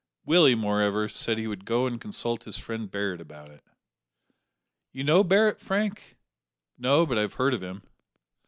Willie, moreover, said he would go and consult his friend Barret about it. "You know Barret, Frank?" "No; but I have heard of him."